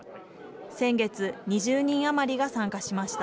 先月、２０人余りが参加しました。